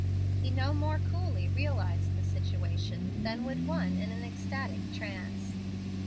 He no more coolly realized the situation than would one in an ecstatic trance.